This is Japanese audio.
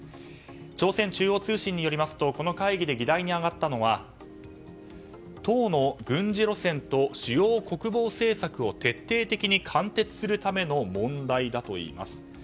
朝鮮中央通信によりますとこの会議で議題に挙がったのは党の軍事路線と主要国防政策を徹底的に貫徹するための問題だといいます。